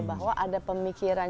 bahwa ada pemikiran